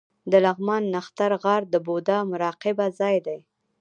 د لغمان نښتر غار د بودا مراقبه ځای دی